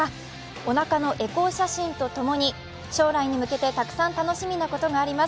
おなかのエコー写真と共に将来に向けてたくさん楽しみなことがあります。